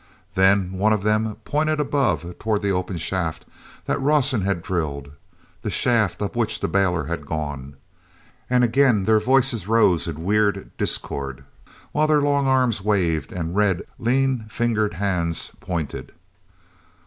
Then one of them pointed above toward the open shaft that Rawson had drilled, the shaft up which the bailer had gone. And again their voices rose in weird discord, while their long arms waved, and red, lean fingered hands pointed.